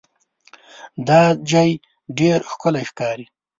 دا ځای ډېر ښکلی ښکاري.